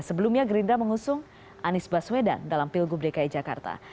sebelumnya gerindra mengusung anies baswedan dalam pilgub dki jakarta